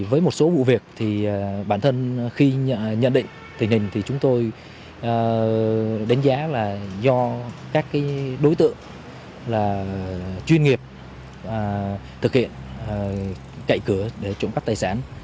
với một số vụ việc thì bản thân khi nhận định tình hình thì chúng tôi đánh giá là do các đối tượng chuyên nghiệp thực hiện cậy cửa để trộm cắp tài sản